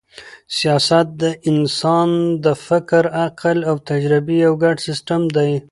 سیاست د انسان د فکر، عقل او تجربې یو ګډ سیسټم دئ.